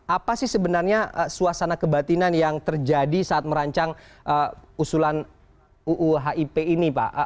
apa sih sebenarnya suasana kebatinan yang terjadi saat merancang usulan uu hip ini pak